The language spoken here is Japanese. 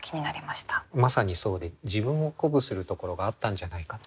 まさにそうで自分を鼓舞するところがあったんじゃないかと。